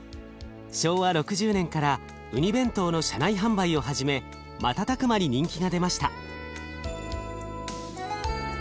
昭和６０年からうに弁当の車内販売を始め瞬く間に人気が出ました。